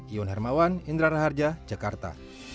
iwan hermawan indra raharja jakarta